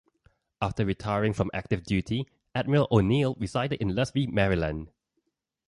After retiring from active duty Admiral O'Neill resided in Lusby, Maryland.